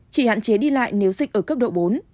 chỉ hạn chế đi lại nếu dịch ở cấp độ bốn